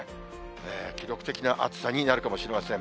記録的な暑さになるかもしれません。